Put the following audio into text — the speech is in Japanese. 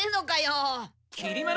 きり丸！